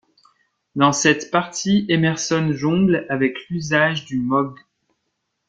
Dans cette partie, Emerson jongle avec l'utilisation du moog.